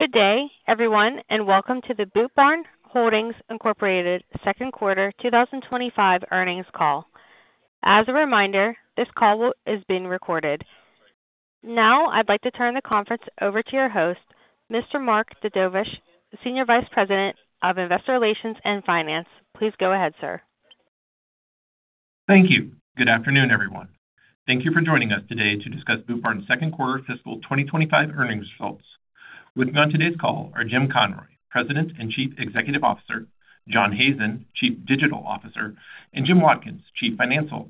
Good day, everyone, and welcome to the Boot Barn Holdings Incorporated Second Quarter 2025 Earnings Call. As a reminder, this call is being recorded. Now, I'd like to turn the conference over to your host, Mr. Mark Sadovnick, Senior Vice President of Investor Relations and Finance. Please go ahead, sir. Thank you. Good afternoon, everyone. Thank you for joining us today to discuss Boot Barn's second quarter fiscal twenty twenty-five earnings results. With me on today's call are Jim Conroy, President and Chief Executive Officer, John Hazen, Chief Digital Officer, and Jim Watkins, Chief Financial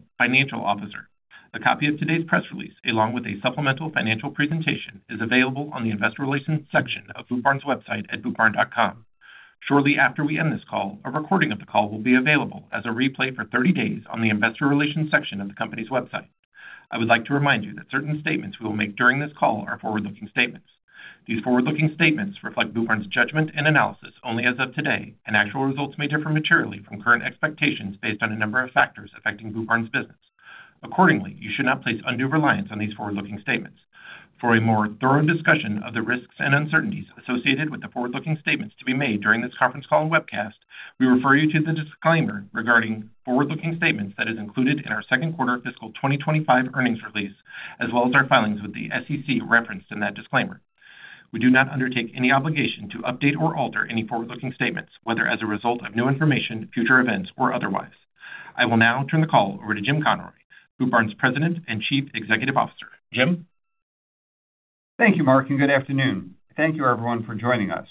Officer. A copy of today's press release, along with a supplemental financial presentation, is available on the investor relations section of Boot Barn's website at bootbarn.com. Shortly after we end this call, a recording of the call will be available as a replay for thirty days on the investor relations section of the company's website. I would like to remind you that certain statements we will make during this call are forward-looking statements. These forward-looking statements reflect Boot Barn's judgment and analysis only as of today, and actual results may differ materially from current expectations based on a number of factors affecting Boot Barn's business. Accordingly, you should not place undue reliance on these forward-looking statements. For a more thorough discussion of the risks and uncertainties associated with the forward-looking statements to be made during this conference call and webcast, we refer you to the disclaimer regarding forward-looking statements that is included in our second quarter fiscal twenty twenty-five earnings release, as well as our filings with the SEC referenced in that disclaimer. We do not undertake any obligation to update or alter any forward-looking statements, whether as a result of new information, future events, or otherwise. I will now turn the call over to Jim Conroy, Boot Barn's President and Chief Executive Officer. Jim? Thank you, Mark, and good afternoon. Thank you everyone for joining us.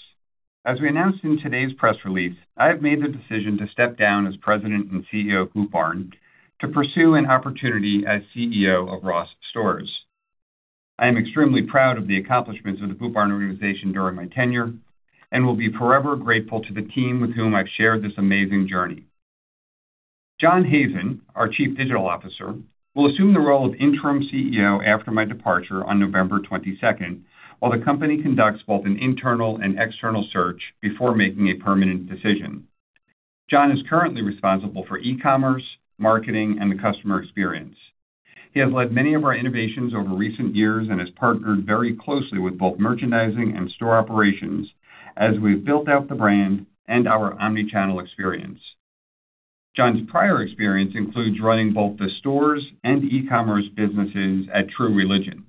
As we announced in today's press release, I have made the decision to step down as President and CEO of Boot Barn to pursue an opportunity as CEO of Ross Stores. I am extremely proud of the accomplishments of the Boot Barn organization during my tenure and will be forever grateful to the team with whom I've shared this amazing journey. John Hazen, our Chief Digital Officer, will assume the role of interim CEO after my departure on November twenty-second, while the company conducts both an internal and external search before making a permanent decision. John is currently responsible for e-commerce, marketing, and the customer experience. He has led many of our innovations over recent years and has partnered very closely with both merchandising and store operations as we've built out the brand and our omni-channel experience. John's prior experience includes running both the stores and e-commerce businesses at True Religion.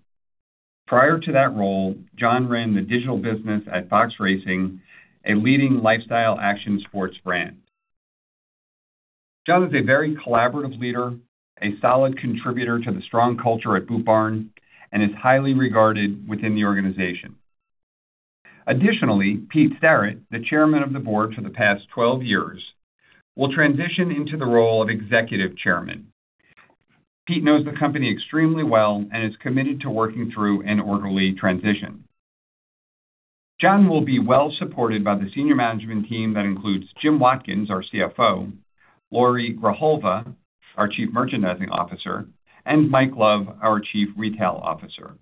Prior to that role, John ran the digital business at Fox Racing, a leading lifestyle action sports brand. John is a very collaborative leader, a solid contributor to the strong culture at Boot Barn, and is highly regarded within the organization. Additionally, Pete Starrett, the chairman of the board for the past twelve years, will transition into the role of executive chairman. Pete knows the company extremely well and is committed to working through an orderly transition. John will be well-supported by the senior management team that includes Jim Watkins, our CFO, Laurie Grijalva, our Chief Merchandising Officer, and Mike Love, our Chief Retail Officer.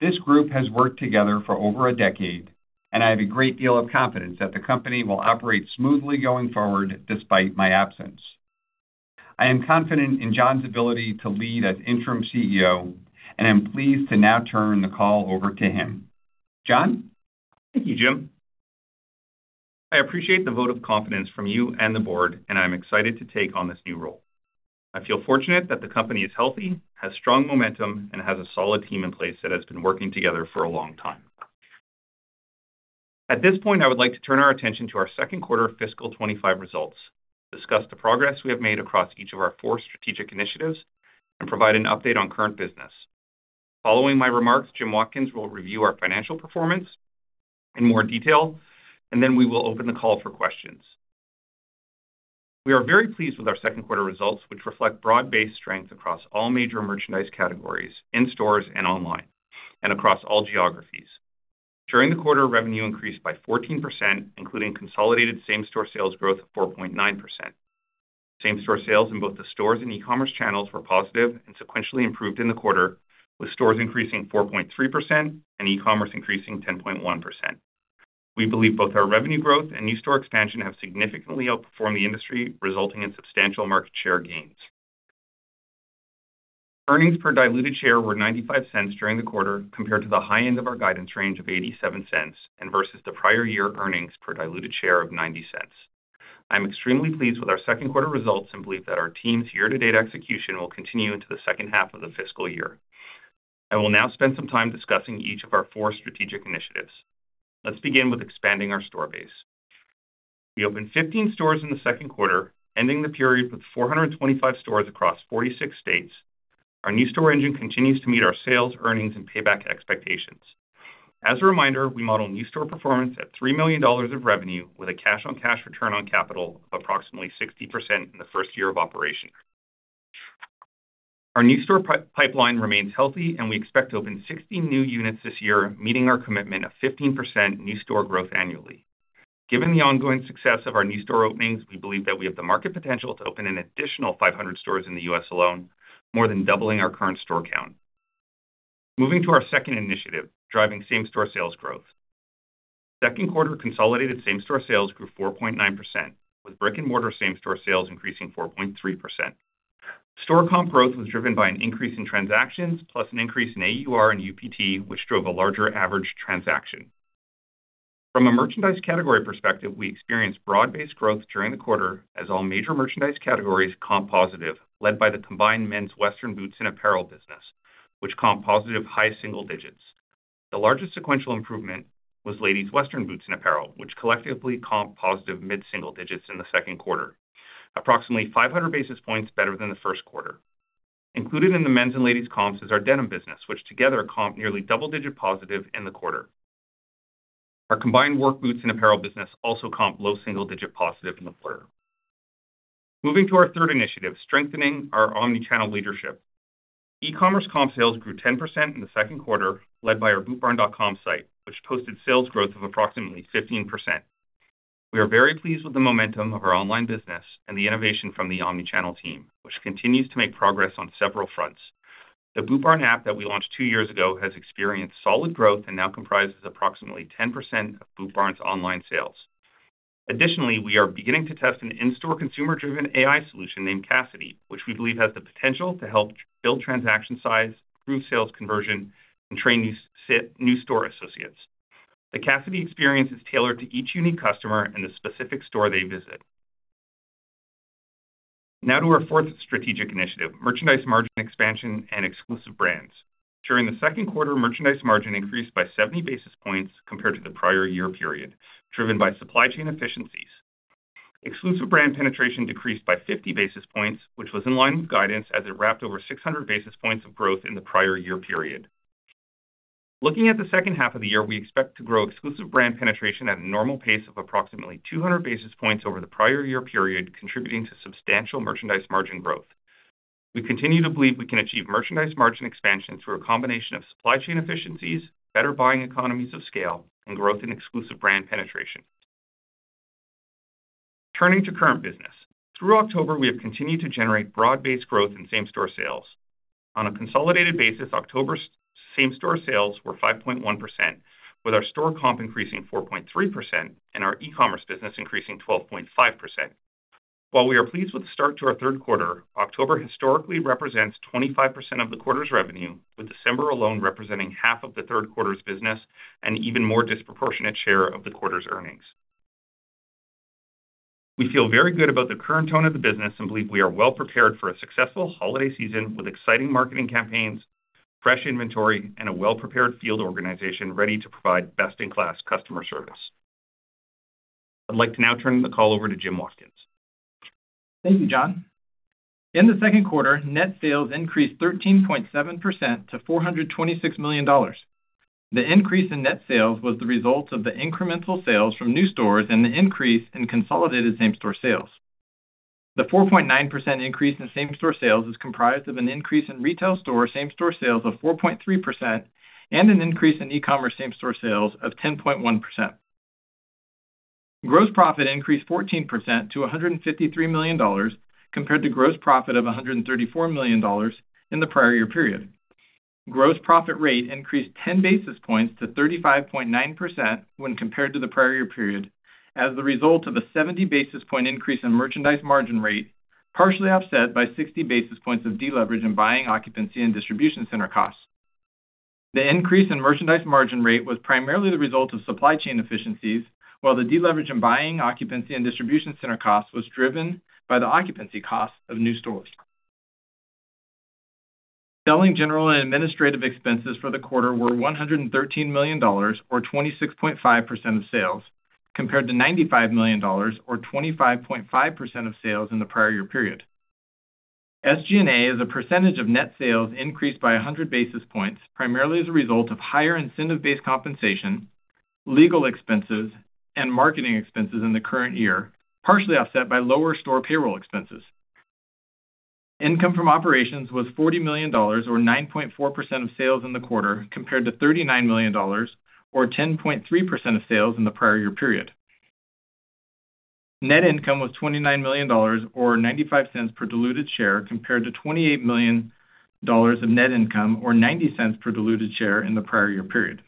This group has worked together for over a decade, and I have a great deal of confidence that the company will operate smoothly going forward, despite my absence. I am confident in John's ability to lead as interim CEO, and I'm pleased to now turn the call over to him. John? Thank you, Jim. I appreciate the vote of confidence from you and the board, and I'm excited to take on this new role. I feel fortunate that the company is healthy, has strong momentum, and has a solid team in place that has been working together for a long time. At this point, I would like to turn our attention to our second quarter fiscal 2025 results, discuss the progress we have made across each of our four strategic initiatives, and provide an update on current business. Following my remarks, Jim Watkins will review our financial performance in more detail, and then we will open the call for questions. We are very pleased with our second quarter results, which reflect broad-based strength across all major merchandise categories, in stores and online, and across all geographies. During the quarter, revenue increased by 14%, including consolidated same-store sales growth of 4.9%. Same-store sales in both the stores and e-commerce channels were positive and sequentially improved in the quarter, with stores increasing 4.3% and e-commerce increasing 10.1%. We believe both our revenue growth and new store expansion have significantly outperformed the industry, resulting in substantial market share gains. Earnings per diluted share were $0.95 during the quarter, compared to the high end of our guidance range of $0.87 and versus the prior year earnings per diluted share of $0.90. I'm extremely pleased with our second quarter results and believe that our team's year-to-date execution will continue into the second half of the fiscal year. I will now spend some time discussing each of our four strategic initiatives. Let's begin with expanding our store base. We opened 15 stores in the second quarter, ending the period with 425 stores across 46 states. Our new store engine continues to meet our sales, earnings, and payback expectations. As a reminder, we model new store performance at $3 million of revenue with a cash-on-cash return on capital of approximately 60% in the first year of operation. Our new store pipeline remains healthy, and we expect to open 16 new units this year, meeting our commitment of 15% new store growth annually. Given the ongoing success of our new store openings, we believe that we have the market potential to open an additional 500 stores in the U.S. alone, more than doubling our current store count. Moving to our second initiative, driving same-store sales growth. Second quarter consolidated same-store sales grew 4.9%, with brick-and-mortar same-store sales increasing 4.3%. Store comp growth was driven by an increase in transactions, plus an increase in AUR and UPT, which drove a larger average transaction. From a merchandise category perspective, we experienced broad-based growth during the quarter as all major merchandise categories comp positive, led by the combined men's western boots and apparel business, which comped positive high single digits. The largest sequential improvement was ladies western boots and apparel, which collectively comped positive mid-single digits in the second quarter, approximately 500 basis points better than the first quarter. Included in the men's and ladies comps is our denim business, which together comped nearly double-digit positive in the quarter. Our combined work boots and apparel business also comped low single-digit positive in the quarter. Moving to our third initiative, strengthening our omni-channel leadership. E-commerce comp sales grew 10% in the second quarter, led by our bootbarn.com site, which posted sales growth of approximately 15%. We are very pleased with the momentum of our online business and the innovation from the omni-channel team, which continues to make progress on several fronts. The Boot Barn App that we launched two years ago has experienced solid growth and now comprises approximately 10% of Boot Barn's online sales. Additionally, we are beginning to test an in-store consumer-driven AI solution named Callie, which we believe has the potential to help build transaction size, improve sales conversion, and train new store associates. The Callie experience is tailored to each unique customer in the specific store they visit. Now to our fourth strategic initiative, merchandise margin expansion and exclusive brands. During the second quarter, merchandise margin increased by seventy basis points compared to the prior year period, driven by supply chain efficiencies. Exclusive brand penetration decreased by fifty basis points, which was in line with guidance as it wrapped over six hundred basis points of growth in the prior year period. Looking at the second half of the year, we expect to grow exclusive brand penetration at a normal pace of approximately two hundred basis points over the prior year period, contributing to substantial merchandise margin growth. We continue to believe we can achieve merchandise margin expansion through a combination of supply chain efficiencies, better buying economies of scale, and growth in exclusive brand penetration. Turning to current business. Through October, we have continued to generate broad-based growth in same-store sales. On a consolidated basis, October's same-store sales were 5.1%, with our store comp increasing 4.3% and our e-commerce business increasing 12.5%. While we are pleased with the start to our third quarter, October historically represents 25% of the quarter's revenue, with December alone representing half of the third quarter's business and even more disproportionate share of the quarter's earnings. We feel very good about the current tone of the business and believe we are well prepared for a successful holiday season with exciting marketing campaigns, fresh inventory, and a well-prepared field organization ready to provide best-in-class customer service. I'd like to now turn the call over to Jim Watkins. Thank you, John. In the second quarter, net sales increased 13.7% to $426 million. The increase in net sales was the result of the incremental sales from new stores and the increase in consolidated same-store sales. The 4.9% increase in same-store sales is comprised of an increase in retail store same-store sales of 4.3% and an increase in e-commerce same-store sales of 10.1%. Gross profit increased 14% to $153 million, compared to gross profit of $134 million in the prior year period. Gross profit rate increased 10 basis points to 35.9% when compared to the prior year period, as the result of a 70 basis point increase in merchandise margin rate, partially offset by 60 basis points of deleverage in buying, occupancy, and distribution center costs. The increase in merchandise margin rate was primarily the result of supply chain efficiencies, while the deleverage in buying, occupancy, and distribution center costs was driven by the occupancy costs of new stores. Selling, general, and administrative expenses for the quarter were $113 million, or 26.5% of sales, compared to $95 million or 25.5% of sales in the prior year period. SG&A, as a percentage of net sales, increased by 100 basis points, primarily as a result of higher incentive-based compensation, legal expenses, and marketing expenses in the current year, partially offset by lower store payroll expenses. Income from operations was $40 million, or 9.4% of sales in the quarter, compared to $39 million or 10.3% of sales in the prior year period. Net income was $29 million, or $0.95 per diluted share, compared to $28 million of net income or $0.90 per diluted share in the prior year period.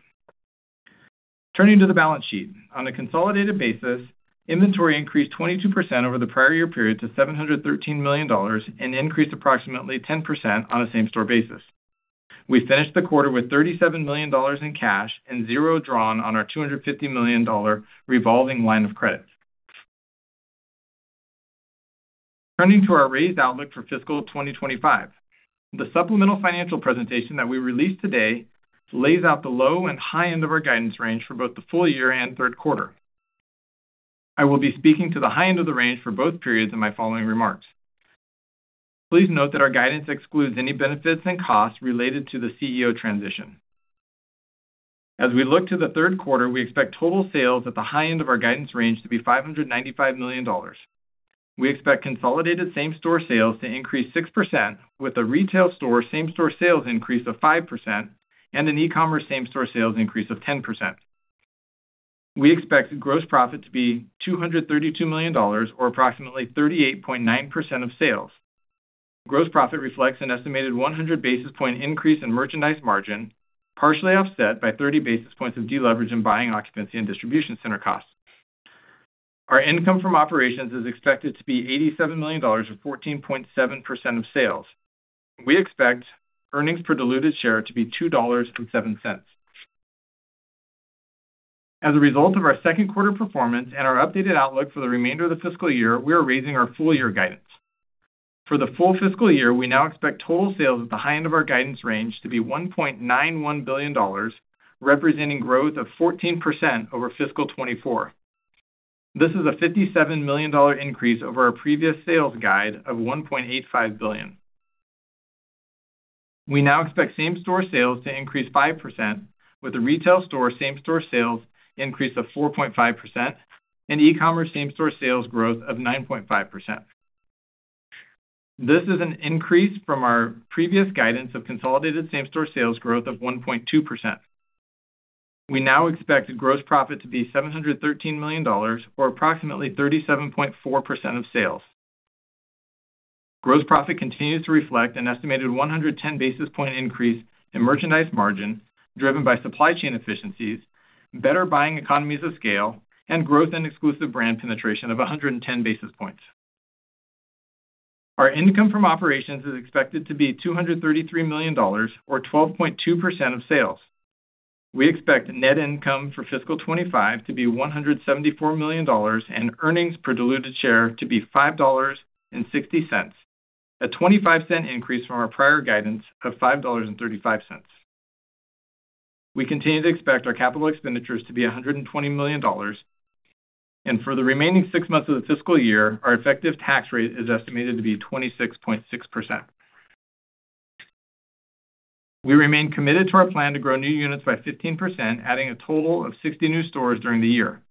Turning to the balance sheet. On a consolidated basis, inventory increased 22% over the prior year period to $713 million and increased approximately 10% on a same-store basis. We finished the quarter with $37 million in cash and zero drawn on our $250 million revolving line of credit. Turning to our raised outlook for fiscal 2025. The supplemental financial presentation that we released today lays out the low and high end of our guidance range for both the full year and third quarter. I will be speaking to the high end of the range for both periods in my following remarks. Please note that our guidance excludes any benefits and costs related to the CEO transition. As we look to the third quarter, we expect total sales at the high end of our guidance range to be $595 million. We expect consolidated same-store sales to increase 6%, with a retail store same-store sales increase of 5% and an e-commerce same-store sales increase of 10%. We expect gross profit to be $232 million or approximately 38.9% of sales. Gross profit reflects an estimated 100 basis point increase in merchandise margin, partially offset by 30 basis points of deleverage in buying, occupancy, and distribution center costs. Our income from operations is expected to be $87 million or 14.7% of sales. We expect earnings per diluted share to be $2.07. As a result of our second quarter performance and our updated outlook for the remainder of the fiscal year, we are raising our full year guidance. For the full fiscal year, we now expect total sales at the high end of our guidance range to be $1.91 billion, representing growth of 14% over fiscal 2024. This is a $57 million increase over our previous sales guide of $1.85 billion. We now expect same-store sales to increase 5%, with the retail store same-store sales increase of 4.5% and e-commerce same-store sales growth of 9.5%. This is an increase from our previous guidance of consolidated same-store sales growth of 1.2%. We now expect gross profit to be $713 million, or approximately 37.4% of sales. Gross profit continues to reflect an estimated 110 basis point increase in merchandise margin, driven by supply chain efficiencies, better buying economies of scale, and growth and exclusive brand penetration of 110 basis points. Our income from operations is expected to be $233 million or 12.2% of sales. We expect net income for fiscal 2025 to be $174 million, and earnings per diluted share to be $5.60, a 25-cent increase from our prior guidance of $5.35. We continue to expect our capital expenditures to be $120 million, and for the remaining six months of the fiscal year, our effective tax rate is estimated to be 26.6%. We remain committed to our plan to grow new units by 15%, adding a total of 60 new stores during the year.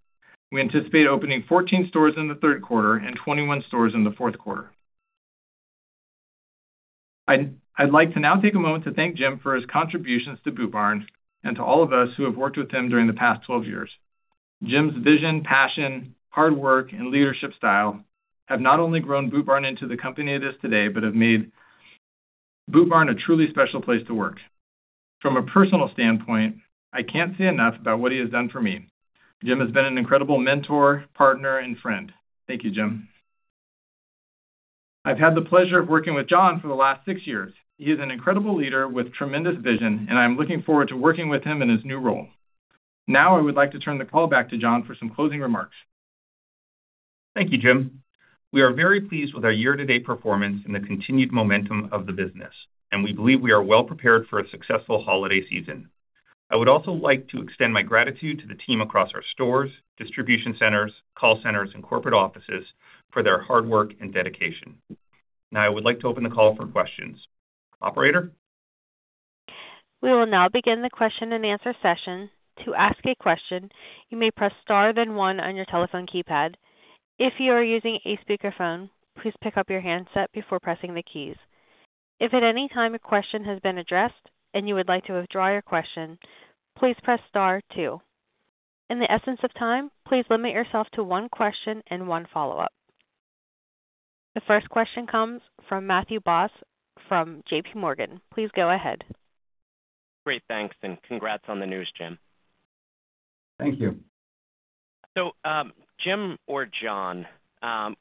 We anticipate opening 14 stores in the third quarter and 21 stores in the fourth quarter. I'd like to now take a moment to thank Jim for his contributions to Boot Barn and to all of us who have worked with him during the past 12 years. Jim's vision, passion, hard work, and leadership style have not only grown Boot Barn into the company it is today, but have made Boot Barn a truly special place to work. From a personal standpoint, I can't say enough about what he has done for me. Jim has been an incredible mentor, partner, and friend. Thank you, Jim. I've had the pleasure of working with John for the last six years. He is an incredible leader with tremendous vision, and I'm looking forward to working with him in his new role. Now, I would like to turn the call back to John for some closing remarks. Thank you, Jim. We are very pleased with our year-to-date performance and the continued momentum of the business, and we believe we are well prepared for a successful holiday season. I would also like to extend my gratitude to the team across our stores, distribution centers, call centers, and corporate offices for their hard work and dedication. Now, I would like to open the call for questions. Operator? We will now begin the question-and-answer session. To ask a question, you may press Star, then one on your telephone keypad. If you are using a speakerphone, please pick up your handset before pressing the keys. If at any time a question has been addressed and you would like to withdraw your question, please press Star two. In the essence of time, please limit yourself to one question and one follow-up. The first question comes from Matthew Boss, from J.P. Morgan. Please go ahead. Great, thanks, and congrats on the news, Jim. Thank you. Jim or John,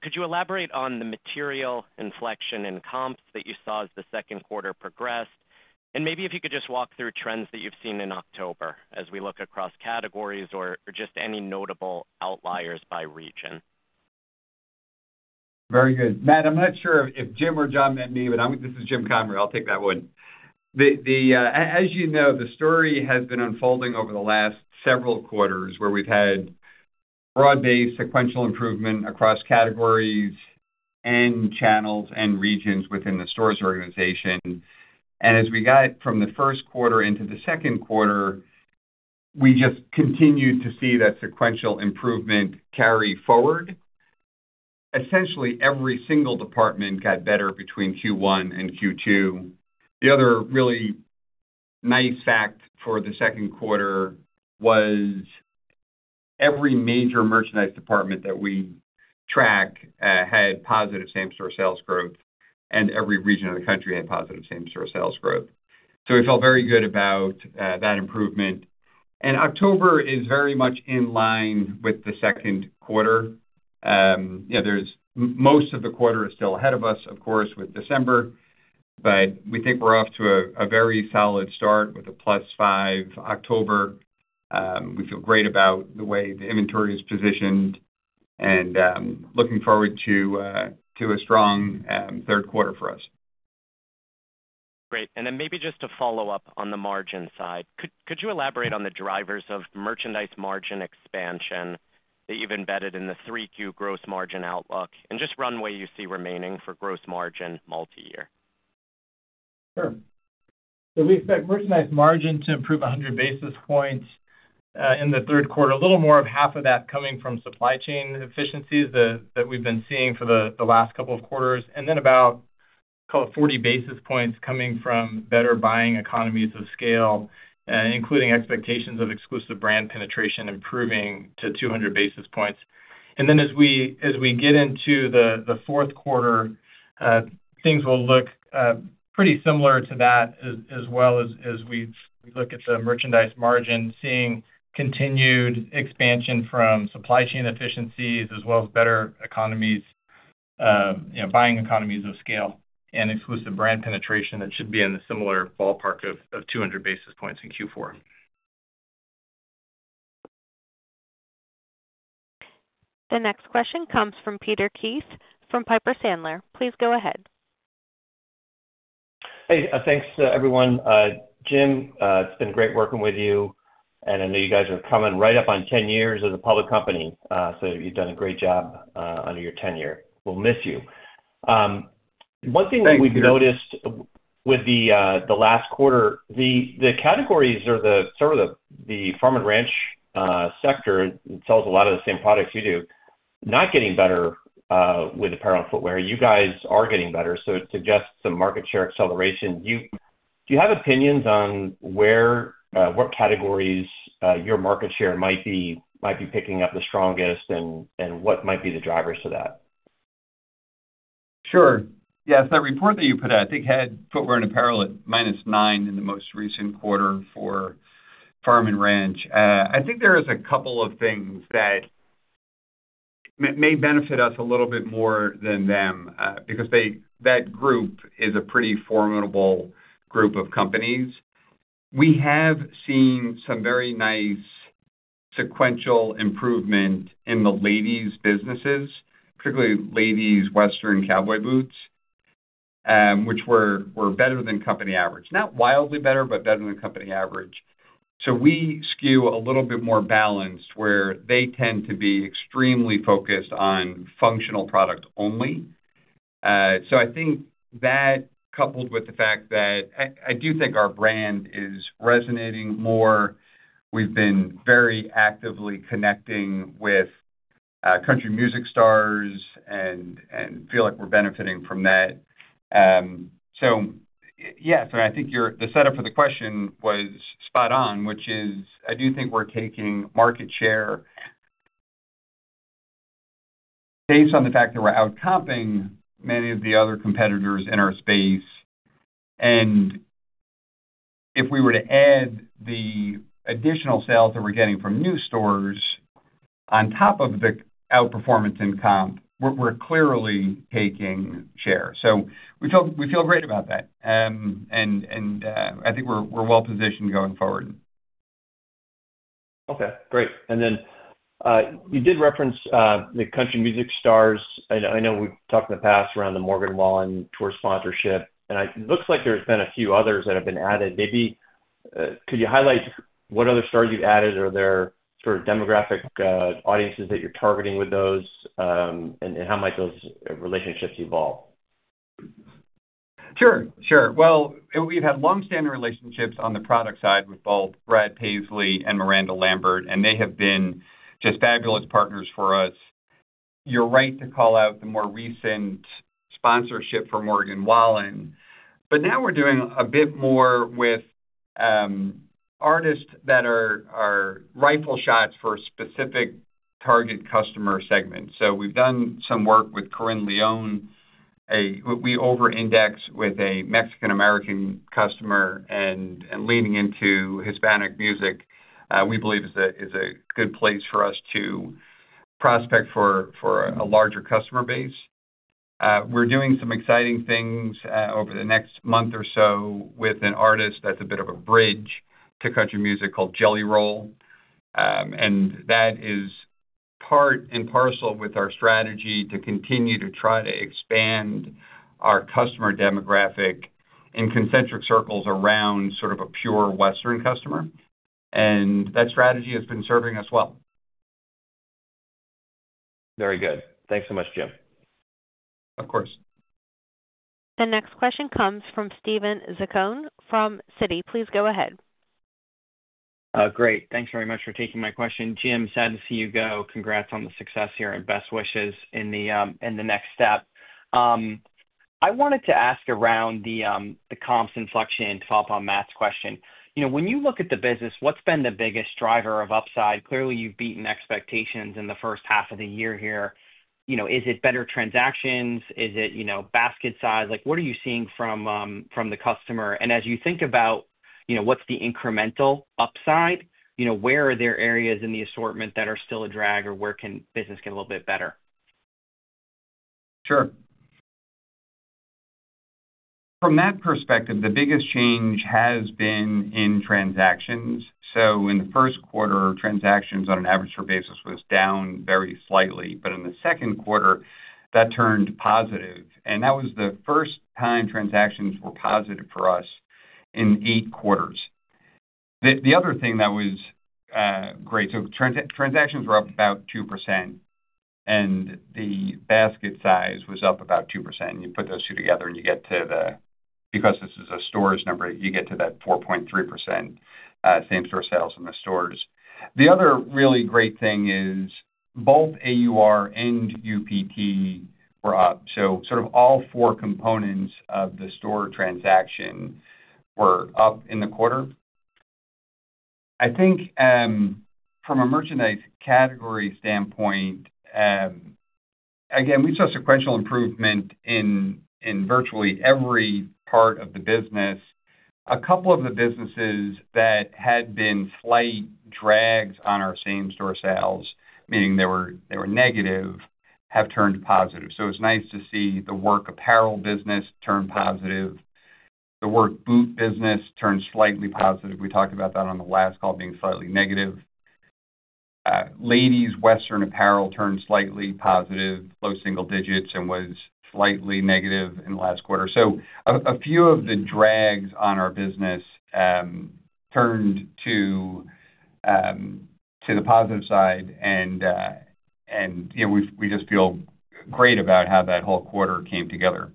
could you elaborate on the material inflection in comps that you saw as the second quarter progressed? And maybe if you could just walk through trends that you've seen in October as we look across categories or just any notable outliers by region? Very good. Matt, I'm not sure if Jim or John meant me, but I'm—this is Jim Conroy. I'll take that one. As you know, the story has been unfolding over the last several quarters, where we've had broad-based sequential improvement across categories and channels and regions within the stores organization. And as we got from the first quarter into the second quarter, we just continued to see that sequential improvement carry forward. Essentially, every single department got better between Q1 and Q2. The other really nice fact for the second quarter was every major merchandise department that we track had positive same-store sales growth, and every region of the country had positive same-store sales growth. So we felt very good about that improvement. And October is very much in line with the second quarter. Yeah, most of the quarter is still ahead of us, of course, with December, but we think we're off to a very solid start with a +5% October. We feel great about the way the inventory is positioned, and looking forward to a strong third quarter for us. Great. And then maybe just to follow up on the margin side, could you elaborate on the drivers of merchandise margin expansion that you've embedded in the 3Q gross margin outlook and just runway you see remaining for gross margin multi-year? Sure. So we expect merchandise margin to improve 100 basis points in the third quarter. A little more than half of that coming from supply chain efficiencies that we've been seeing for the last couple of quarters, and then about 40 basis points coming from better buying economies of scale, including expectations of exclusive brand penetration improving to 200 basis points. Then as we get into the fourth quarter, things will look pretty similar to that as well as we look at the merchandise margin, seeing continued expansion from supply chain efficiencies as well as better economies of scale.... you know, buying economies of scale and exclusive brand penetration that should be in the similar ballpark of two hundred basis points in Q4. The next question comes from Peter Keith, from Piper Sandler. Please go ahead. Hey, thanks to everyone. Jim, it's been great working with you, and I know you guys are coming right up on ten years as a public company, so you've done a great job under your tenure. We'll miss you. One thing- Thanks, Peter. We've noticed with the last quarter, the categories or sort of the farm and ranch sector sells a lot of the same products you do, not getting better with apparel and footwear. You guys are getting better, so it suggests some market share acceleration. Do you have opinions on where, what categories your market share might be picking up the strongest, and what might be the drivers to that? Sure. Yes, that report that you put out, I think, had footwear and apparel at minus nine in the most recent quarter for farm and ranch. I think there is a couple of things that may benefit us a little bit more than them, because that group is a pretty formidable group of companies. We have seen some very nice sequential improvement in the ladies businesses, particularly ladies' western cowboy boots, which were better than company average. Not wildly better, but better than company average. So we skew a little bit more balanced, where they tend to be extremely focused on functional product only. So I think that, coupled with the fact that I do think our brand is resonating more. We've been very actively connecting with country music stars and feel like we're benefiting from that. So yes, and I think your the setup for the question was spot on, which is, I do think we're taking market share. Based on the fact that we're outcomping many of the other competitors in our space, and if we were to add the additional sales that we're getting from new stores on top of the outperformance in comp, we're clearly taking share. So we feel great about that. And I think we're well positioned going forward. Okay, great. And then, you did reference the country music stars. I know, I know we've talked in the past around the Morgan Wallen tour sponsorship, and I-- it looks like there's been a few others that have been added. Maybe, could you highlight what other stars you've added? Are there sort of demographic audiences that you're targeting with those, and, and how might those relationships evolve? Sure, sure. Well, we've had long-standing relationships on the product side with both Brad Paisley and Miranda Lambert, and they have been just fabulous partners for us. You're right to call out the more recent sponsorship for Morgan Wallen. But now we're doing a bit more with artists that are rifle shots for a specific target customer segment. So we've done some work with Carin León. We overindex with a Mexican American customer, and leaning into Hispanic music, we believe is a good place for us to prospect for a larger customer base. We're doing some exciting things over the next month or so with an artist that's a bit of a bridge to country music called Jelly Roll. And that is part and parcel with our strategy to continue to try to expand our customer demographic in concentric circles around sort of a pure Western customer, and that strategy has been serving us well. Very good. Thanks so much, Jim. Of course. The next question comes from Steven Zaccone from Citi. Please go ahead. Great. Thanks very much for taking my question. Jim, sad to see you go. Congrats on the success here and best wishes in the, in the next step. I wanted to ask around the, the comps inflection to follow up on Matt's question. You know, when you look at the business, what's been the biggest driver of upside? Clearly, you've beaten expectations in the first half of the year here. You know, is it better transactions? Is it, you know, basket size? Like, what are you seeing from, from the customer? And as you think about, you know, what's the incremental upside, you know, where are there areas in the assortment that are still a drag, or where can business get a little bit better? Sure. From that perspective, the biggest change has been in transactions. So in the first quarter, transactions on an average store basis was down very slightly, but in the second quarter, that turned positive, and that was the first time transactions were positive for us in eight quarters. The other thing that was great. So transactions were up about 2%, and the basket size was up about 2%. You put those two together, and you get to the, because this is a same-store number, you get to that 4.3%, same-store sales in the stores. The other really great thing is both AUR and UPT were up, so sort of all four components of the store transaction were up in the quarter. I think, from a merchandise category standpoint, again, we saw sequential improvement in virtually every part of the business. A couple of the businesses that had been slight drags on our same-store sales, meaning they were negative, have turned positive. So it's nice to see the work apparel business turn positive. The work boot business turned slightly positive. We talked about that on the last call, being slightly negative. Ladies western apparel turned slightly positive, low single digits, and was slightly negative in the last quarter. So a few of the drags on our business turned to the positive side. And, you know, we just feel great about how that whole quarter came together.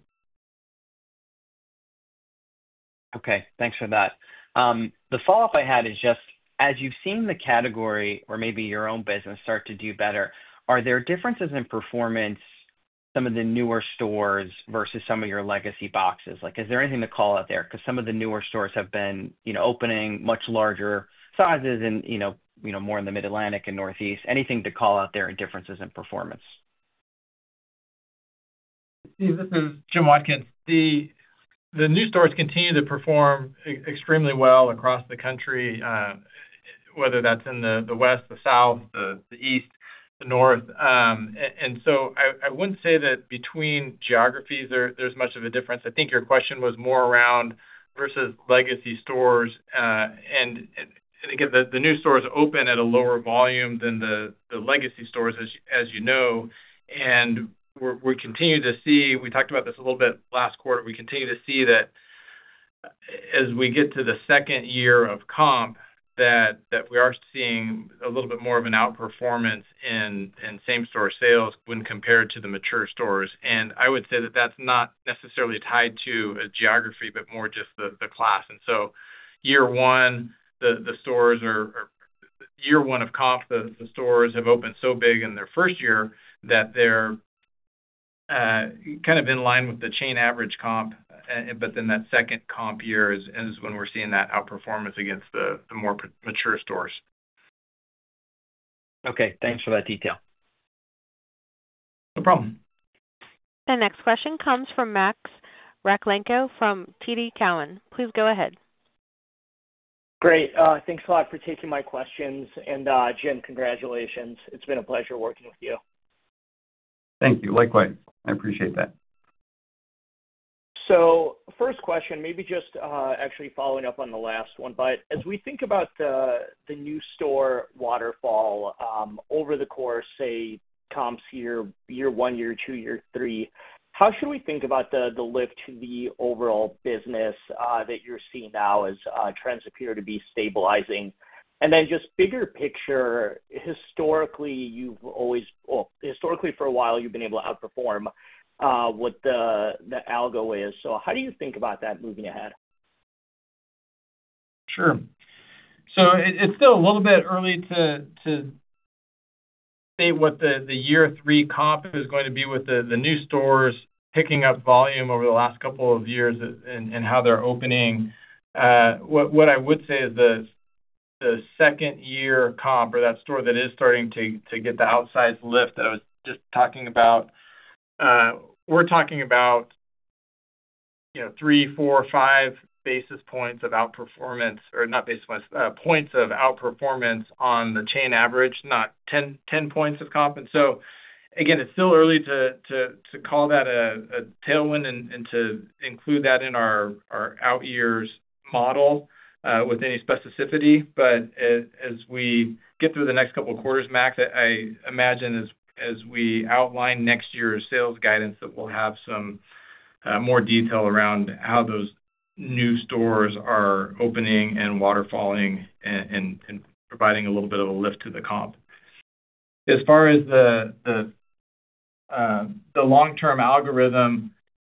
Okay, thanks for that. The follow-up I had is just, as you've seen the category or maybe your own business start to do better, are there differences in performance, some of the newer stores versus some of your legacy boxes? Like, is there anything to call out there? Because some of the newer stores have been, you know, opening much larger sizes and, you know, you know, more in the Mid-Atlantic and Northeast. Anything to call out there in differences in performance? Steve, this is Jim Watkins. The new stores continue to perform extremely well across the country, whether that's in the West, the South, the East, the North. And so I wouldn't say that between geographies there's much of a difference. I think your question was more around versus legacy stores. And again, the new stores open at a lower volume than the legacy stores, as you know, and we continue to see. We talked about this a little bit last quarter. We continue to see that as we get to the second year of comp, we are seeing a little bit more of an outperformance in same-store sales when compared to the mature stores. I would say that that's not necessarily tied to a geography, but more just the class. And so year one of comp, the stores have opened so big in their first year that they're kind of in line with the chain average comp. But then that second comp year is when we're seeing that outperformance against the more mature stores. Okay, thanks for that detail. No problem. The next question comes from Max Rakhlenko from TD Cowen. Please go ahead. Great. Thanks a lot for taking my questions, and, Jim, congratulations. It's been a pleasure working with you. Thank you. Likewise. I appreciate that. So first question, maybe just, actually following up on the last one, but as we think about the new store waterfall, over the course, say, comps year, year one, year two, year three, how should we think about the lift to the overall business, that you're seeing now as trends appear to be stabilizing? And then just bigger picture, historically, you've always, well, historically, for a while, you've been able to outperform, what the algo is. So how do you think about that moving ahead? Sure. So it's still a little bit early to say what the year three comp is going to be with the new stores picking up volume over the last couple of years and how they're opening. What I would say is the second year comp or that store that is starting to get the outsized lift that I was just talking about, we're talking about, you know, three, four, five basis points of outperformance, or not basis points, points of outperformance on the chain average, not ten points of comp, and so again, it's still early to call that a tailwind and to include that in our out years model with any specificity. But as we get through the next couple of quarters, Max, I imagine as we outline next year's sales guidance, that we'll have some more detail around how those new stores are opening and waterfalling and providing a little bit of a lift to the comp. As far as the long-term algorithm,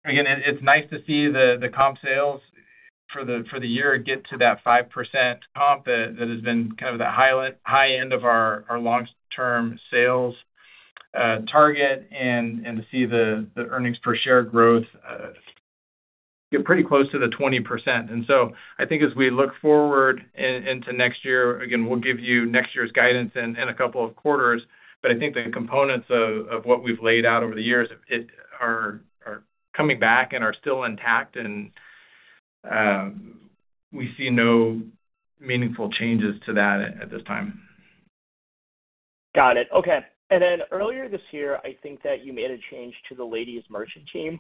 again, it's nice to see the comp sales for the year get to that 5% comp. That has been kind of the high end of our long-term sales target, and to see the earnings per share growth get pretty close to the 20%. And so I think as we look forward into next year, again, we'll give you next year's guidance in a couple of quarters, but I think the components of what we've laid out over the years are coming back and are still intact, and we see no meaningful changes to that at this time. Got it. Okay. And then earlier this year, I think that you made a change to the ladies' merchant team.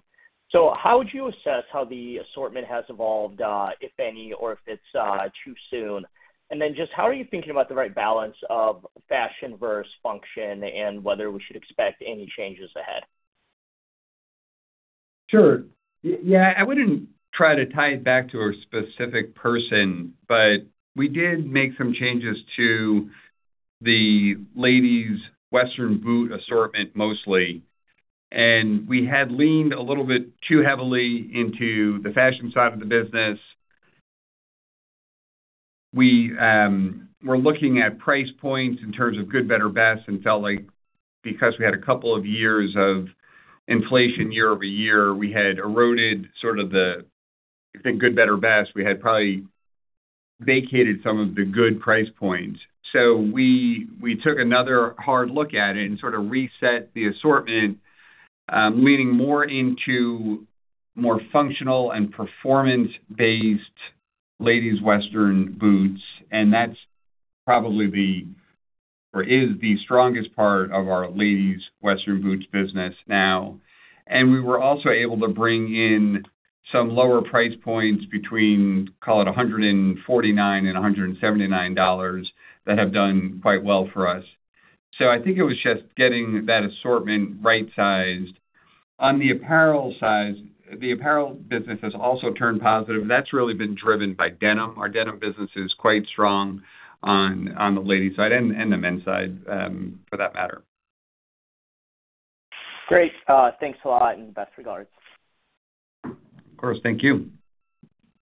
So how would you assess how the assortment has evolved, if any, or if it's too soon? And then just how are you thinking about the right balance of fashion versus function and whether we should expect any changes ahead? Sure. Yeah, I wouldn't try to tie it back to a specific person, but we did make some changes to the ladies' western boot assortment, mostly, and we had leaned a little bit too heavily into the fashion side of the business. We're looking at price points in terms of good, better, best and felt like because we had a couple of years of inflation year-over-year, we had eroded sort of the good, better, best. We had probably vacated some of the good price points. So we took another hard look at it and sort of reset the assortment, leaning more into more functional and performance-based ladies' western boots, and that's probably the, or is the strongest part of our ladies' western boots business now. We were also able to bring in some lower price points between, call it $149 and $179, that have done quite well for us. So I think it was just getting that assortment right-sized. On the apparel side, the apparel business has also turned positive. That's really been driven by denim. Our denim business is quite strong on the ladies' side and the men's side, for that matter. Great! Thanks a lot, and best regards. Of course. Thank you.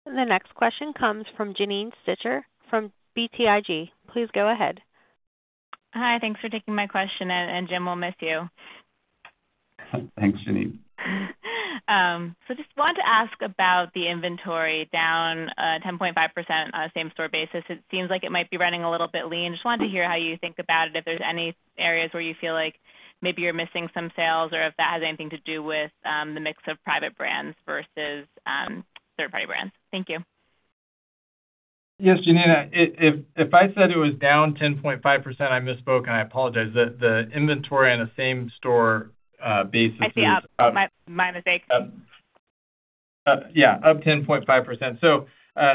The next question comes from Janine Stichter from BTIG. Please go ahead. Hi, thanks for taking my question, and Jim, we'll miss you. Thanks, Janine. So just wanted to ask about the inventory down 10.5% on a same-store basis. It seems like it might be running a little bit lean. Just wanted to hear how you think about it, if there's any areas where you feel like maybe you're missing some sales, or if that has anything to do with the mix of private brands versus third-party brands. Thank you. Yes, Janine. If I said it was down 10.5%, I misspoke, and I apologize. The inventory on a same-store basis is- I see up. My mistake. Yeah, up 10.5%. So,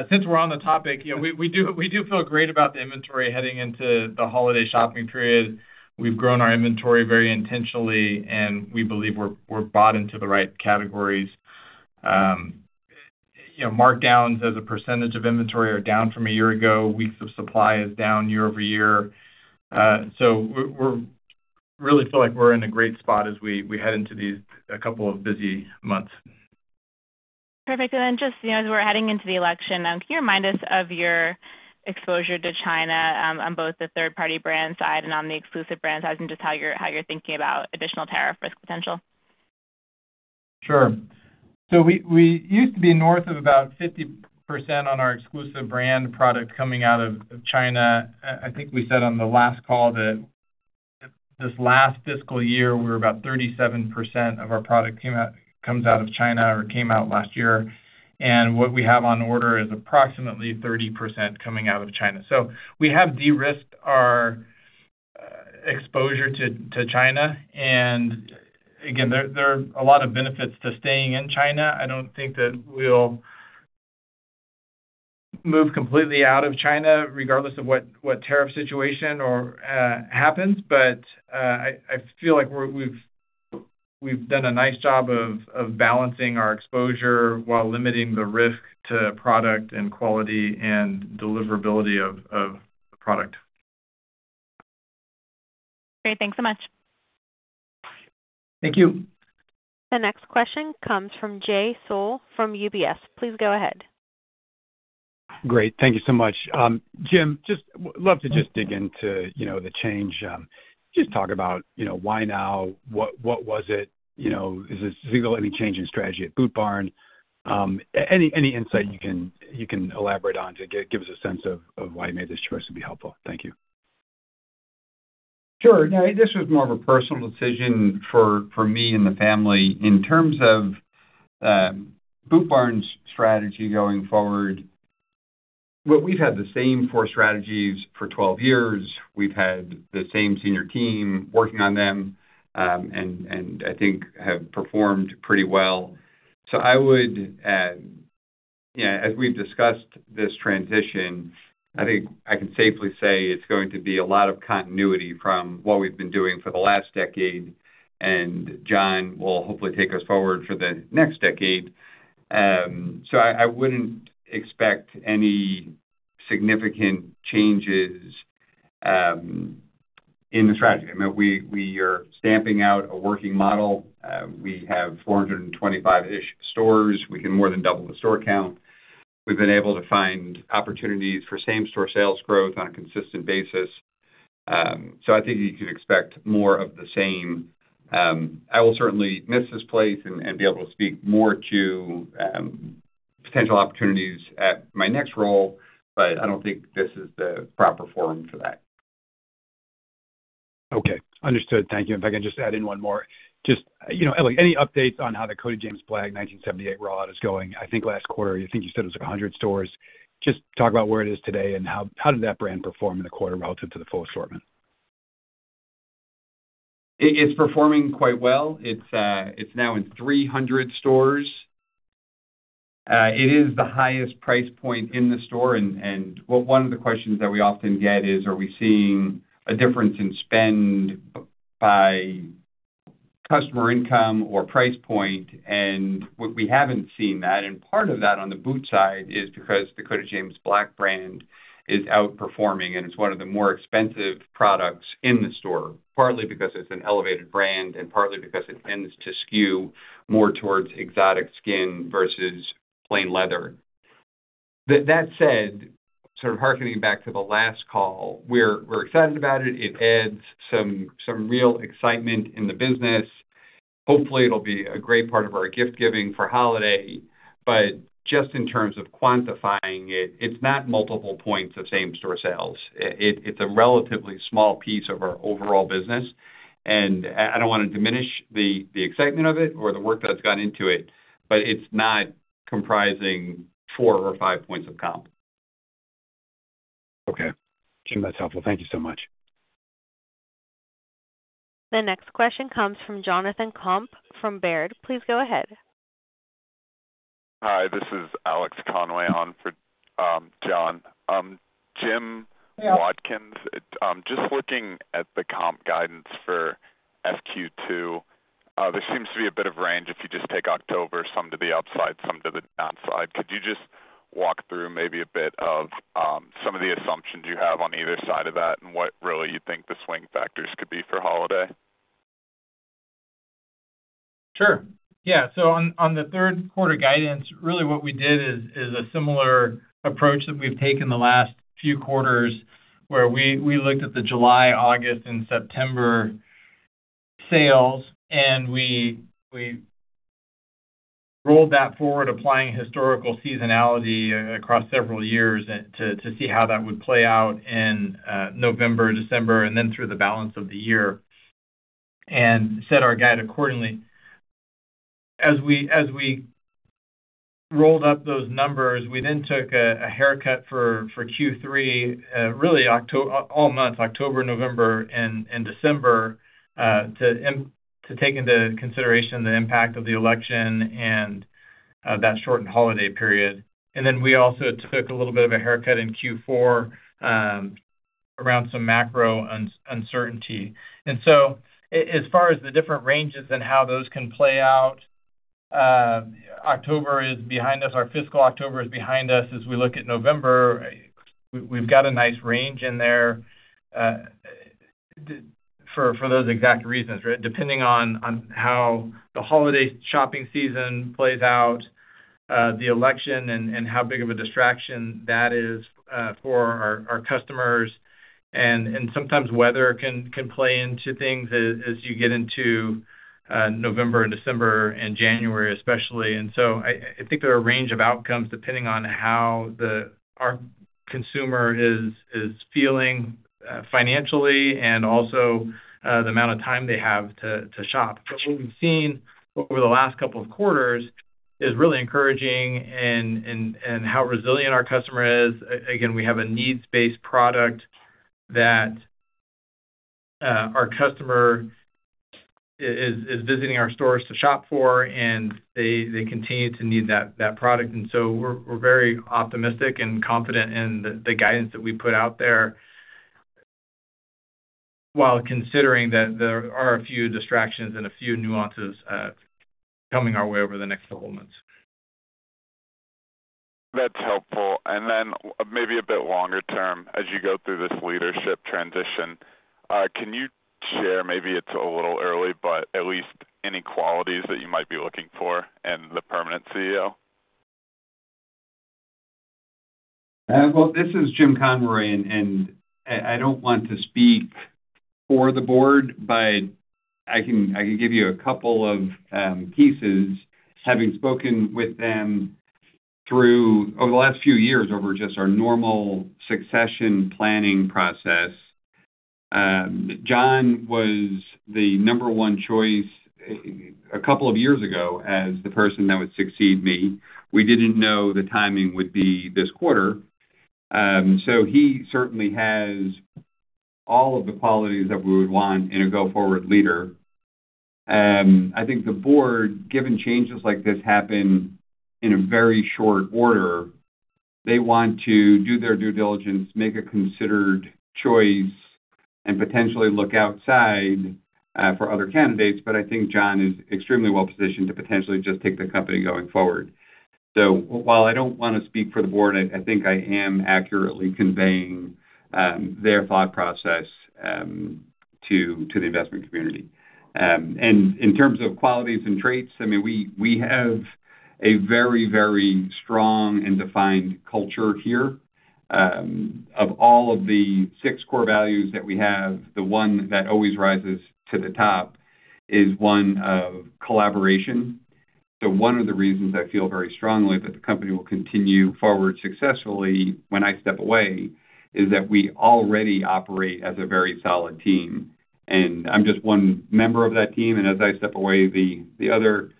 since we're on the topic, you know, we do feel great about the inventory heading into the holiday shopping period. We've grown our inventory very intentionally, and we believe we're bought into the right categories. You know, markdowns as a percentage of inventory are down from a year ago. Weeks of supply is down year-over-year. So, we really feel like we're in a great spot as we head into these, a couple of busy months. Perfect. And then just, you know, as we're heading into the election, can you remind us of your exposure to China, on both the third-party brand side and on the exclusive brand side, and just how you're thinking about additional tariff risk potential? Sure. So we used to be north of about 50% on our exclusive brand product coming out of China. I think we said on the last call that this last fiscal year, we were about 37% of our product came out--comes out of China or came out last year, and what we have on order is approximately 30% coming out of China. So we have de-risked our exposure to China, and again, there are a lot of benefits to staying in China. I don't think that we'll move completely out of China, regardless of what tariff situation or happens. But I feel like we've done a nice job of balancing our exposure while limiting the risk to product and quality and deliverability of product. Great. Thanks so much. Thank you. The next question comes from Jay Sole from UBS. Please go ahead. Great. Thank you so much. Jim, just love to just dig into, you know, the change. Just talk about, you know, why now? What was it? You know, is this any change in strategy at Boot Barn? Any insight you can elaborate on to give us a sense of why you made this choice would be helpful. Thank you. Sure. Yeah, this was more of a personal decision for me and the family. In terms of Boot Barn's strategy going forward, well, we've had the same four strategies for 12 years. We've had the same senior team working on them, and I think have performed pretty well, so I would, yeah, as we've discussed this transition, I think I can safely say it's going to be a lot of continuity from what we've been doing for the last decade, and John will hopefully take us forward for the next decade, so I wouldn't expect any significant changes in the strategy. I mean, we are stamping out a working model. We have 425-ish stores. We can more than double the store count. We've been able to find opportunities for same-store sales growth on a consistent basis. So I think you can expect more of the same. I will certainly miss this place and be able to speak more to potential opportunities at my next role, but I don't think this is the proper forum for that. Okay, understood. Thank you. If I can just add in one more. Just, you know, any updates on how the Cody James Black rollout is going? I think last quarter, I think you said it was 100 stores. Just talk about where it is today and how, how did that brand perform in the quarter relative to the full assortment? It’s performing quite well. It’s now in 300 stores. It is the highest price point in the store, and well, one of the questions that we often get is, are we seeing a difference in spend by customer income or price point? Well, we haven’t seen that, and part of that, on the boot side, is because the Cody James Black brand is outperforming, and it’s one of the more expensive products in the store, partly because it’s an elevated brand and partly because it tends to skew more towards exotic skin versus plain leather. But that said, sort of hearkening back to the last call, we’re excited about it. It adds some real excitement in the business. Hopefully, it’ll be a great part of our gift giving for holiday. But just in terms of quantifying it, it's not multiple points of same-store sales. It's a relatively small piece of our overall business, and I don't wanna diminish the excitement of it or the work that's gone into it, but it's not comprising four or five points of comp. Okay. Jim, that's helpful. Thank you so much. The next question comes from Jonathan Komp from Baird. Please go ahead. Hi, this is Alex Conway on for Jonathan. Jim Watkins. Yeah. Just looking at the comp guidance for Q2, there seems to be a bit of range if you just take October, some to the upside, some to the downside. Could you just walk through maybe a bit of some of the assumptions you have on either side of that and what really you think the swing factors could be for holiday? Sure. Yeah, so on the third quarter guidance, really what we did is a similar approach that we've taken the last few quarters, where we looked at the July, August, and September sales, and we rolled that forward, applying historical seasonality across several years, to see how that would play out in November, December, and then through the balance of the year, and set our guide accordingly. As we rolled up those numbers, we then took a haircut for Q3, really all months, October, November, and December, to take into consideration the impact of the election and that shortened holiday period. And then we also took a little bit of a haircut in Q4, around some macro uncertainty. And so as far as the different ranges and how those can play out, October is behind us, our fiscal October is behind us. As we look at November, we've got a nice range in there, for those exact reasons, right? Depending on how the holiday shopping season plays out, the election and how big of a distraction that is for our customers. And sometimes weather can play into things as you get into November and December and January, especially. And so I think there are a range of outcomes, depending on how our consumer is feeling financially and also the amount of time they have to shop. But what we've seen over the last couple of quarters is really encouraging and how resilient our customer is. Again, we have a needs-based product that our customer is visiting our stores to shop for, and they continue to need that product. And so we're very optimistic and confident in the guidance that we put out there, while considering that there are a few distractions and a few nuances coming our way over the next couple months. That's helpful. And then maybe a bit longer term, as you go through this leadership transition, can you share, maybe it's a little early, but at least any qualities that you might be looking for in the permanent CEO? Well, this is Jim Conroy, and I don't want to speak for the board, but I can give you a couple of pieces, having spoken with them over the last few years, over just our normal succession planning process. John was the number one choice a couple of years ago as the person that would succeed me. We didn't know the timing would be this quarter. So he certainly has all of the qualities that we would want in a go-forward leader. I think the board, given changes like this happen in a very short order, they want to do their due diligence, make a considered choice, and potentially look outside for other candidates. But I think John is extremely well positioned to potentially just take the company going forward. So while I don't wanna speak for the board, I think I am accurately conveying their thought process to the investment community. And in terms of qualities and traits, I mean, we have a very, very strong and defined culture here. Of all of the six core values that we have, the one that always rises to the top is one of collaboration. So one of the reasons I feel very strongly that the company will continue forward successfully when I step away is that we already operate as a very solid team, and I'm just one member of that team, and as I step away, the other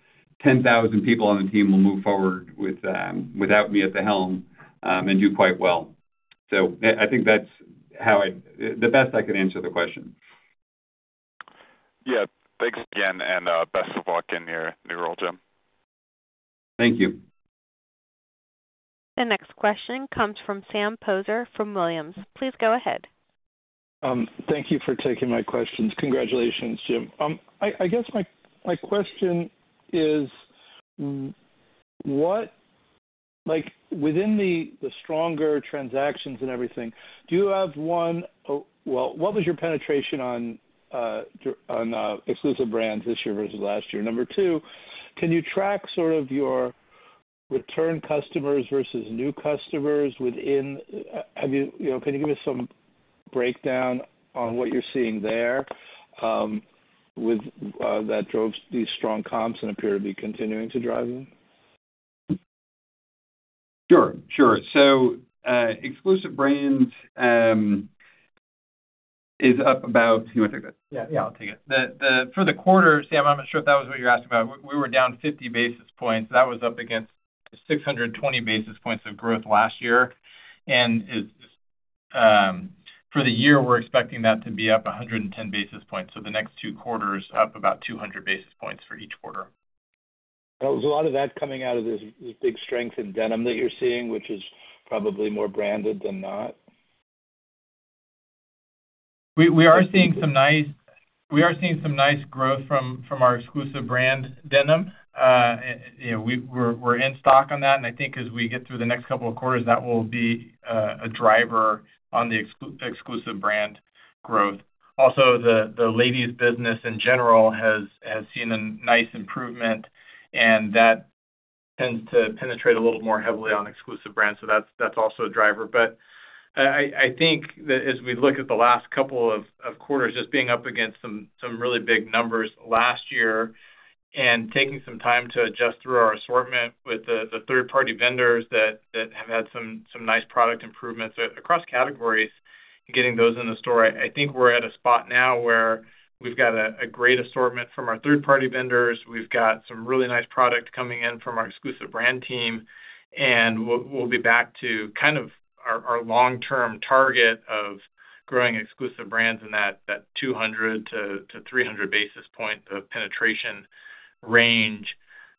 10,000 people on the team will move forward without me at the helm and do quite well. So I think that's how I... The best I can answer the question. Yeah. Thanks again, and best of luck in your new role, Jim. Thank you. The next question comes from Sam Poser from Williams Trading. Please go ahead. Thank you for taking my questions. Congratulations, Jim. I guess my question is: like, within the stronger transactions and everything, well, what was your penetration on exclusive brands this year versus last year? Number two, can you track sort of return customers versus new customers within, you know, can you give us some breakdown on what you're seeing there, with that drove these strong comps and appear to be continuing to drive them? Sure, sure. So, exclusive brands is up about... You want to take this? Yeah, yeah, I'll take it. The for the quarter, Sam, I'm not sure if that was what you asked about. We were down 50 basis points. That was up against 620 basis points of growth last year. And for the year, we're expecting that to be up 110 basis points. So the next two quarters, up about 200 basis points for each quarter. Is a lot of that coming out of this big strength in denim that you're seeing, which is probably more branded than not? We are seeing some nice growth from our exclusive brand denim. You know, we're in stock on that, and I think as we get through the next couple of quarters, that will be a driver on the exclusive brand growth. Also, the ladies business in general has seen a nice improvement, and that tends to penetrate a little more heavily on exclusive brands, so that's also a driver. But I think that as we look at the last couple of quarters, just being up against some really big numbers last year and taking some time to adjust through our assortment with the third-party vendors that have had some nice product improvements across categories, getting those in the store, I think we're at a spot now where we've got a great assortment from our third-party vendors. We've got some really nice product coming in from our exclusive brand team, and we'll be back to kind of our long-term target of growing exclusive brands in that 200-300 basis point of penetration range,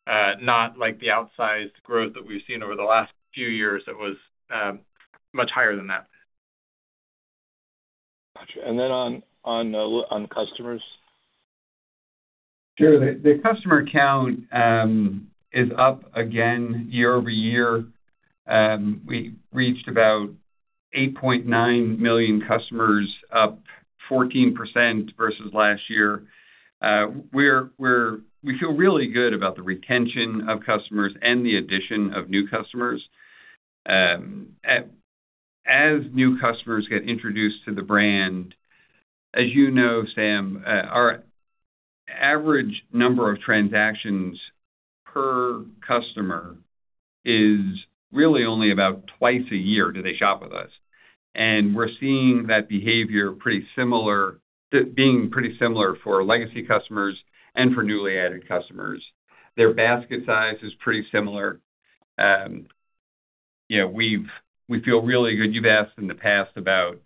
not like the outsized growth that we've seen over the last few years that was much higher than that. Got you. And then on customers? Sure. The customer count is up again year-over-year. We reached about 8.9 million customers, up 14% versus last year. We feel really good about the retention of customers and the addition of new customers. As new customers get introduced to the brand, as you know, Sam, our average number of transactions per customer is really only about twice a year do they shop with us, and we're seeing that behavior pretty similar for legacy customers and for newly added customers. Their basket size is pretty similar. We feel really good. You've asked in the past about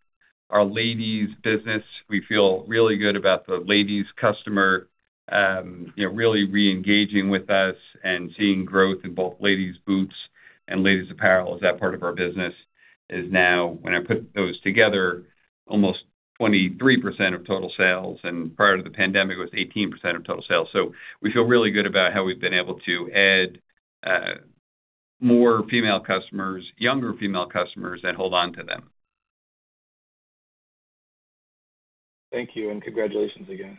our ladies business. We feel really good about the ladies customer, you know, really reengaging with us and seeing growth in both ladies boots and ladies apparel. As that part of our business is now, when I put those together, almost 23% of total sales, and prior to the pandemic, it was 18% of total sales. So we feel really good about how we've been able to add more female customers, younger female customers, and hold on to them. Thank you, and congratulations again.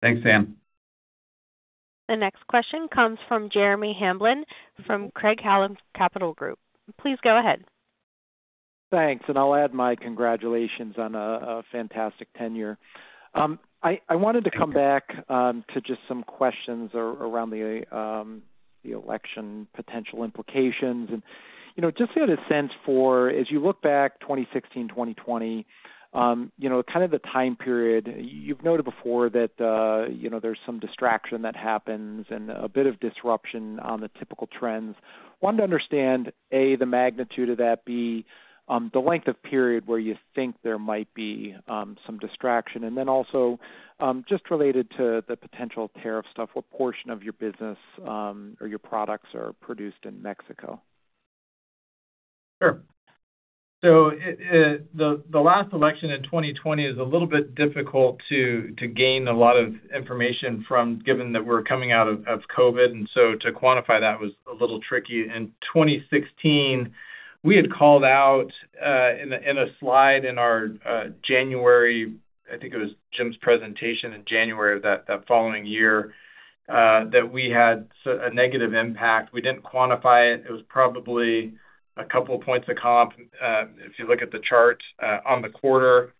Thanks, Sam. The next question comes from Jeremy Hamblin, from Craig-Hallum Capital Group. Please go ahead. Thanks, and I'll add my congratulations on a fantastic tenure. I wanted to come back to just some questions around the election, potential implications. And, you know, just to get a sense for as you look back, twenty sixteen, twenty twenty, you know, kind of the time period, you've noted before that, you know, there's some distraction that happens and a bit of disruption on the typical trends. Wanted to understand, A, the magnitude of that, B, the length of period where you think there might be some distraction. And then also, just related to the potential tariff stuff, what portion of your business, or your products are produced in Mexico? Sure. So the last election in 2020 is a little bit difficult to gain a lot of information from, given that we're coming out of COVID, and so to quantify that was a little tricky. In 2016, we had called out in a slide in our January, I think it was Jim's presentation in January of that following year, that we had a negative impact. We didn't quantify it. It was probably a couple of points of comp if you look at the chart on the quarter.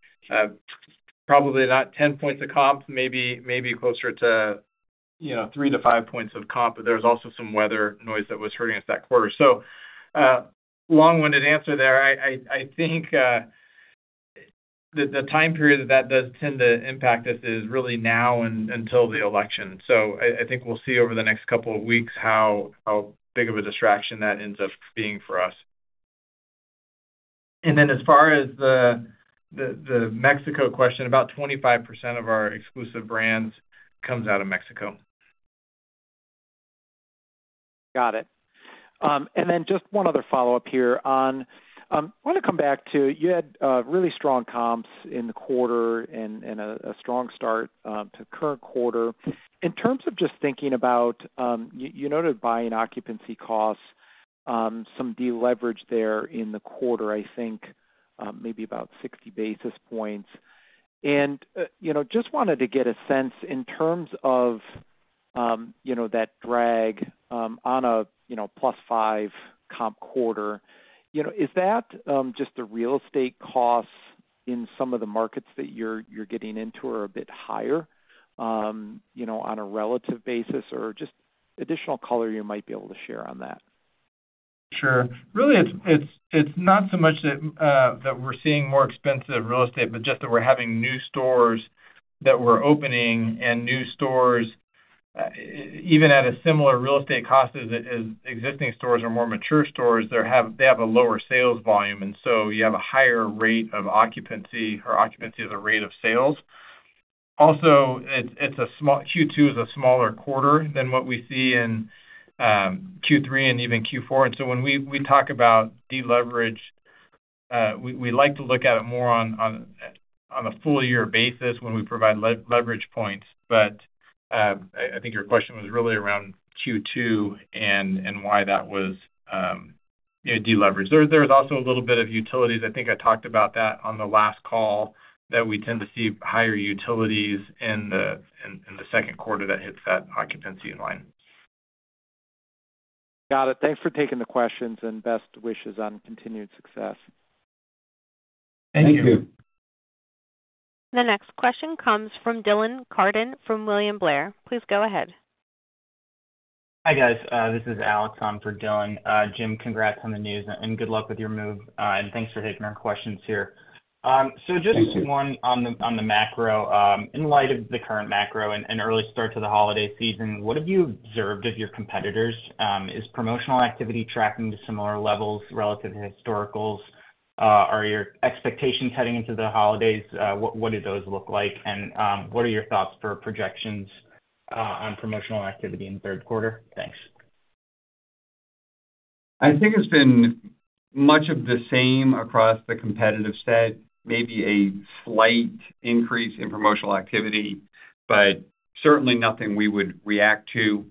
Probably not 10 points of comp, maybe closer to, you know, three to five points of comp, but there was also some weather noise that was hurting us that quarter. So long-winded answer there. I think the time period that does tend to impact us is really now until the election. So I think we'll see over the next couple of weeks how big of a distraction that ends up being for us, and then as far as the Mexico question, about 25% of our exclusive brands comes out of Mexico. Got it. And then just one other follow-up here. On, I want to come back to you had really strong comps in the quarter and a strong start to current quarter. In terms of just thinking about, you noted buying and occupancy costs, some deleverage there in the quarter, I think, maybe about 60 basis points. And, you know, just wanted to get a sense in terms of, you know, that drag on a, you know, plus five comp quarter. You know, is that just the real estate costs in some of the markets that you're getting into are a bit higher, you know, on a relative basis, or just additional color you might be able to share on that? Sure. Really, it's not so much that we're seeing more expensive real estate, but just that we're having new stores that we're opening. And new stores, even at a similar real estate cost as existing stores or more mature stores, they have a lower sales volume, and so you have a higher rate of occupancy or occupancy as a rate of sales. Also, it's a small Q2 is a smaller quarter than what we see in Q3 and even Q4. And so when we talk about deleverage, we like to look at it more on a full year basis when we provide leverage points. But I think your question was really around Q2 and why that was, you know, deleveraged. There was also a little bit of utilities. I think I talked about that on the last call, that we tend to see higher utilities in the second quarter that hits that occupancy in line. Got it. Thanks for taking the questions and best wishes on continued success. Thank you. The next question comes from Dylan Carden, from William Blair. Please go ahead. Hi, guys. This is Alex on for Dylan. Jim, congrats on the news and good luck with your move, and thanks for taking our questions here. Thank you. So just one on the macro. In light of the current macro and early start to the holiday season, what have you observed of your competitors? Is promotional activity tracking to similar levels relative to historicals? Are your expectations heading into the holidays, what do those look like? And what are your thoughts for projections on promotional activity in the third quarter? Thanks. I think it's been much of the same across the competitive set. Maybe a slight increase in promotional activity, but certainly nothing we would react to.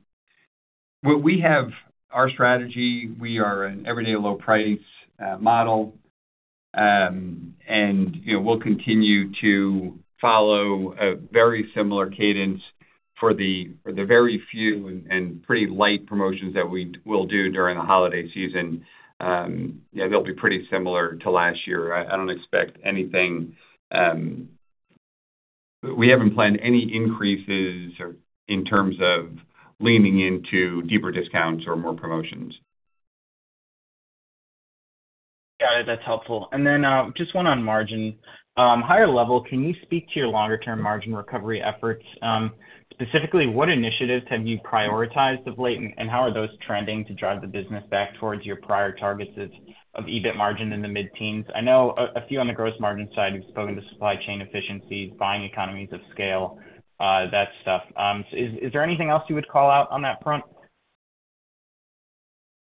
What we have, our strategy, we are an everyday low price model, and you know, we'll continue to follow a very similar cadence for the very few and pretty light promotions that we'll do during the holiday season. Yeah, they'll be pretty similar to last year. I don't expect anything. We haven't planned any increases or in terms of leaning into deeper discounts or more promotions. Got it. That's helpful. And then, just one on margin. Higher level, can you speak to your longer term margin recovery efforts? Specifically, what initiatives have you prioritized of late, and how are those trending to drive the business back towards your prior targets of EBIT margin in the mid-teens? I know a few on the gross margin side, you've spoken to supply chain efficiencies, buying economies of scale, that stuff. Is there anything else you would call out on that front?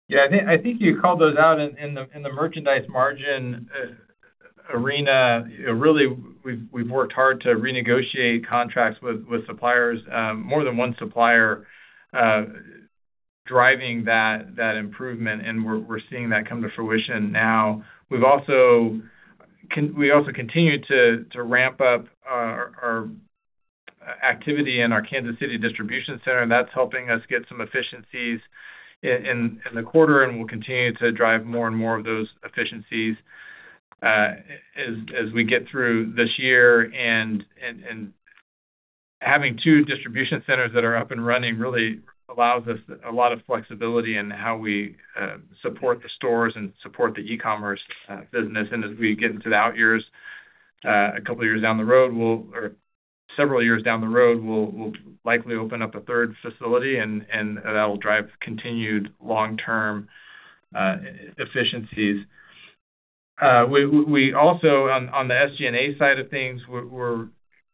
Yeah, I think you called those out in the merchandise margin arena. You know, really, we've worked hard to renegotiate contracts with suppliers, more than one supplier, driving that improvement, and we're seeing that come to fruition now. We also continue to ramp up our activity in our Kansas City distribution center, and that's helping us get some efficiencies in the quarter, and we'll continue to drive more and more of those efficiencies as we get through this year. And having two distribution centers that are up and running really allows us a lot of flexibility in how we support the stores and support the e-commerce business. And as we get into the out years, a couple of years down the road, we'll or several years down the road, we'll likely open up a third facility and that will drive continued long-term efficiencies. We also, on the SG&A side of things, we're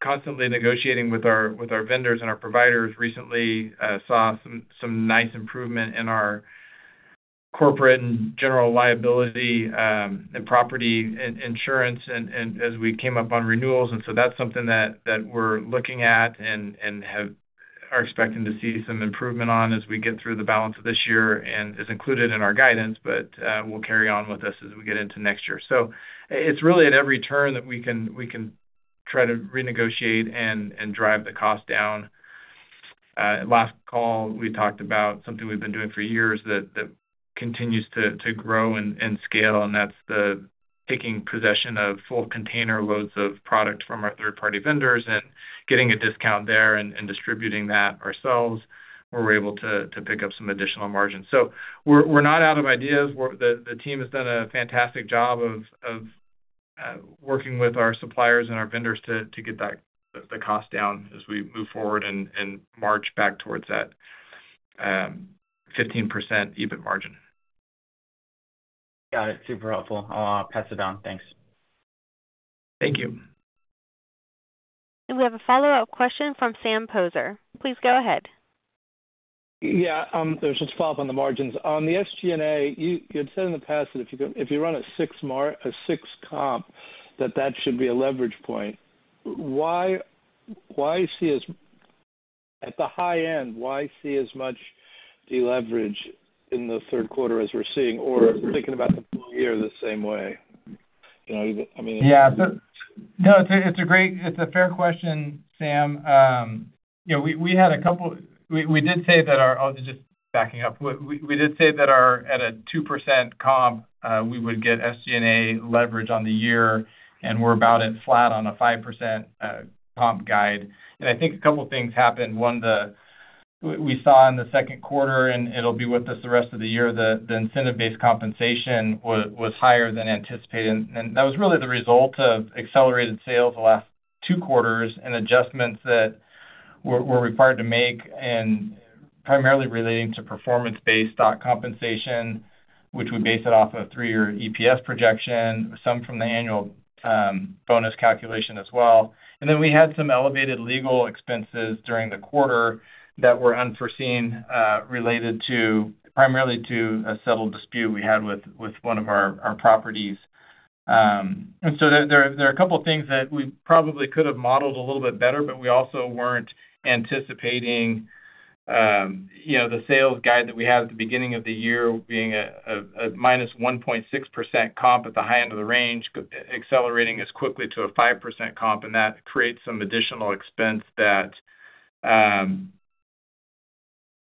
constantly negotiating with our vendors and our providers. Recently saw some nice improvement in our corporate and general liability and property insurance and as we came up on renewals, and so that's something that we're looking at and are expecting to see some improvement on as we get through the balance of this year and is included in our guidance, but we'll carry on with this as we get into next year. So it's really at every turn that we can try to renegotiate and drive the cost down. Last call, we talked about something we've been doing for years, that continues to grow and scale, and that's the taking possession of full container loads of product from our third-party vendors and getting a discount there and distributing that ourselves, where we're able to pick up some additional margin. So we're not out of ideas. The team has done a fantastic job of working with our suppliers and our vendors to get back the cost down as we move forward and march back towards that 15% EBIT margin. Got it. Super helpful. I'll pass it on. Thanks. Thank you. We have a follow-up question from Sam Poser. Please go ahead. Yeah, just to follow up on the margins. On the SG&A, you, you'd said in the past that if you run a six comp, that should be a leverage point. Why, why see as- At the high end, why see as much deleverage in the third quarter as we're seeing or thinking about the full year the same way? You know, even, I mean- Yeah. So no, it's a fair question, Sam. You know, we had a couple. We did say that our, at a 2% comp, we would get SG&A leverage on the year, and we're about flat on a 5% comp guide. I think a couple things happened. One, we saw in the second quarter, and it'll be with us the rest of the year, the incentive-based compensation was higher than anticipated, and that was really the result of accelerated sales the last two quarters, and adjustments that we're required to make and primarily relating to performance-based stock compensation, which we base it off a three-year EPS projection, some from the annual bonus calculation as well. And then we had some elevated legal expenses during the quarter that were unforeseen, related primarily to a settled dispute we had with one of our properties. And so there are a couple of things that we probably could have modeled a little bit better, but we also weren't anticipating, you know, the sales guide that we had at the beginning of the year being a minus 1.6% comp at the high end of the range, but accelerating as quickly to a 5% comp,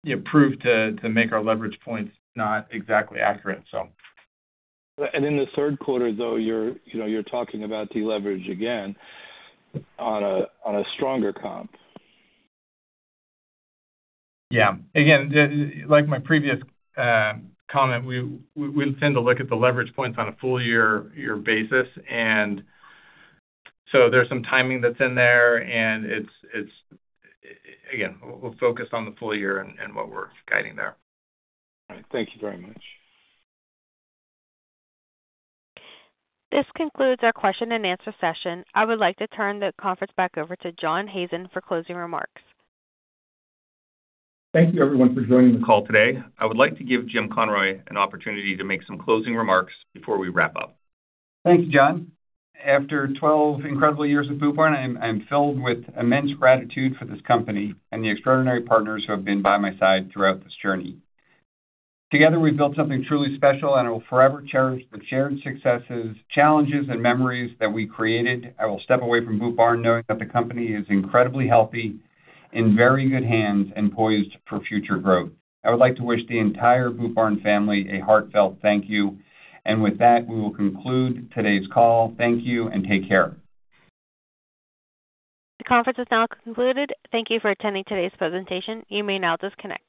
and that creates some additional expense that improved to make our leverage points not exactly accurate, so. And in the third quarter, though, you know, you're talking about deleverage again on a stronger comp. Yeah. Again, just like my previous comment, we tend to look at the leverage points on a full year basis. And so there's some timing that's in there, and it's again, we'll focus on the full year and what we're guiding there. All right. Thank you very much. This concludes our question and answer session. I would like to turn the conference back over to John Hazen for closing remarks. Thank you, everyone, for joining the call today. I would like to give Jim Conroy an opportunity to make some closing remarks before we wrap up. Thank you, John. After 12 incredible years at Boot Barn, I'm filled with immense gratitude for this company and the extraordinary partners who have been by my side throughout this journey. Together, we've built something truly special, and I will forever cherish the shared successes, challenges, and memories that we created. I will step away from Boot Barn knowing that the company is incredibly healthy, in very good hands, and poised for future growth. I would like to wish the entire Boot Barn family a heartfelt thank you, and with that, we will conclude today's call. Thank you, and take care. The conference is now concluded. Thank you for attending today's presentation. You may now disconnect.